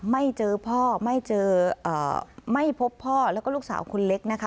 ไม่เจอพ่อไม่เจอไม่พบพ่อแล้วก็ลูกสาวคนเล็กนะคะ